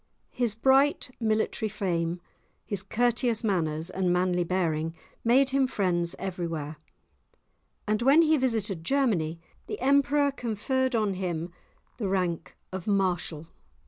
His bright military fame, his courteous manners, and manly bearing made him friends everywhere, and when he visited Germany the Emperor conferred on him the rank of Marshal.